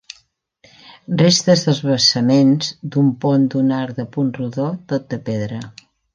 Restes dels basaments d'un pont d'un arc de punt rodó tot de pedra.